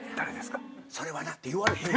それはな。って言われへん。